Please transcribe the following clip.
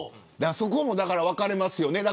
そこも、分かれますよね。